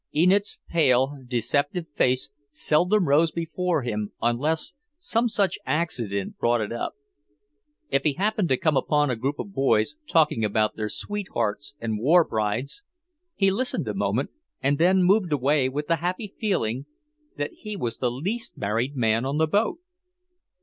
Enid's pale, deceptive face seldom rose before him unless some such accident brought it up. If he happened to come upon a group of boys talking about their sweethearts and war brides, he listened a moment and then moved away with the happy feeling that he was the least married man on the boat.